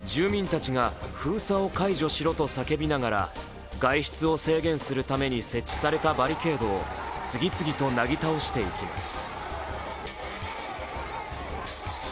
広東省では住民たちが封鎖を解除しろと叫びながら外出を制限するために設置されたバリケードを次々となぎ倒していきます。